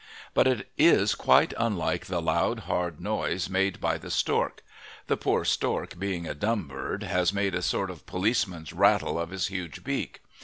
But it is quite unlike the loud, hard noise made by the stork; the poor stork being a dumb bird has made a sort of policeman's rattle of his huge beak.